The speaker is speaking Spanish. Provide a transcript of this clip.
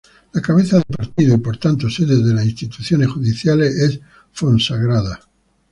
La cabeza de partido y por tanto sede de las instituciones judiciales es Fonsagrada.